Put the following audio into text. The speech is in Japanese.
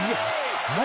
何？